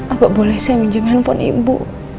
apa boleh saya minjem handphone ibu